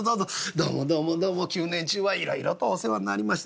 どうもどうもどうも旧年中はいろいろとお世話になりました。